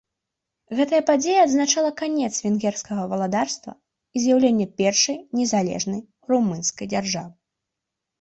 Гэта падзея адзначыла канец венгерскага валадарства і з'яўленне першай незалежнай румынскай дзяржавы.